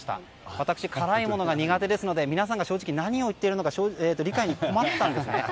私、辛いものが苦手ですので皆さんが正直何を言っているのか理解に困ったんですね。